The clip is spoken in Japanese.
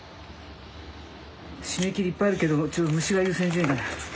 締め切りいっぱいあるけどちょっと虫が優先順位だ。